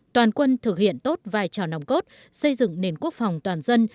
toàn quân thực hiện tốt vài trò nồng cốt xây dựng nền quốc phòng toàn dân